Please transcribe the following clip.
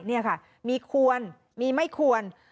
นี่ค่ะมีควรมีไม่ควร